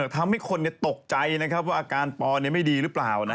ทำให้คนตกใจว่าอาการปอนไม่ดีหรือเปล่า